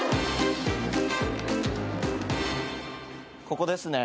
ここですね。